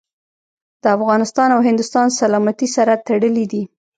د افغانستان او هندوستان سلامتي سره تړلي دي.